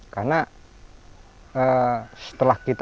karena setelah kisah